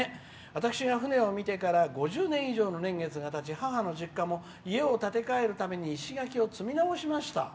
私が船を見てから５０年以上の年月がたち母の実家も家を建て替えるために石垣を積みなおしました。